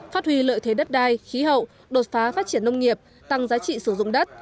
phát huy lợi thế đất đai khí hậu đột phá phát triển nông nghiệp tăng giá trị sử dụng đất